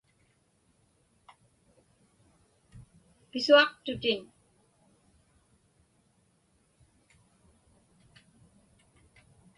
Pisuaqtutin.